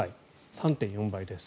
３．４倍です。